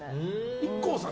ＩＫＫＯさん